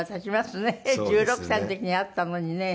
１６歳の時に会ったのにね